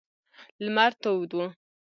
لمر تود و.